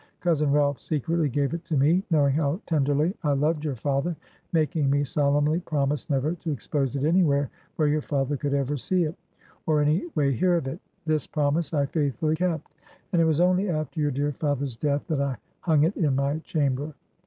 Cousin Ralph secretly gave it to me, knowing how tenderly I loved your father; making me solemnly promise never to expose it anywhere where your father could ever see it, or any way hear of it. This promise I faithfully kept; and it was only after your dear father's death, that I hung it in my chamber.